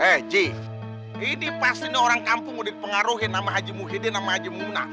eji ini pasti orang kampung mau dipengaruhi nama haji muhyiddin nama haji muna